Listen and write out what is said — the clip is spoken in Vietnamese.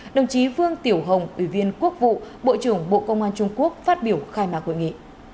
đồng chí vương tiểu hồng ủy viên quốc vụ bộ trưởng bộ công an trung quốc phát biểu khai mạc hội nghị